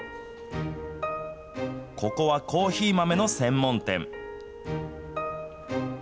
ここはコーヒー豆の専門店。